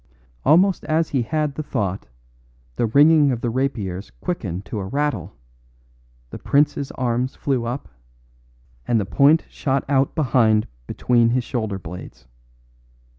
Almost as he had the thought the ringing of the rapiers quickened to a rattle, the prince's arms flew up, and the point shot out behind between his shoulder blades.